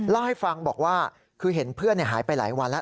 เล่าให้ฟังบอกว่าคือเห็นเพื่อนหายไปหลายวันแล้ว